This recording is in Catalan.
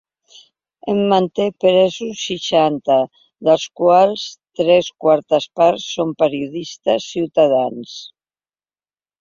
En manté presos seixanta, dels quals tres quartes parts són periodistes-ciutadans.